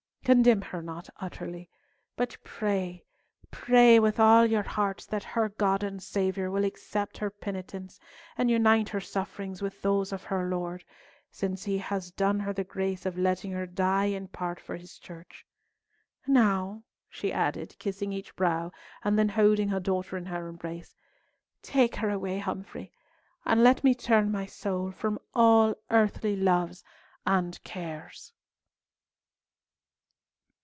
Condemn her not utterly, but pray, pray with all your hearts that her God and Saviour will accept her penitence, and unite her sufferings with those of her Lord, since He has done her the grace of letting her die in part for His Church. Now," she added, kissing each brow, and then holding her daughter in her embrace, "take her away, Humfrey, and let me turn my soul from all earthly loves and cares!"